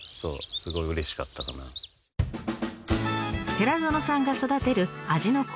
寺園さんが育てる味の濃い野菜。